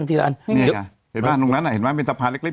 แถวนั้นมีน้ำไหม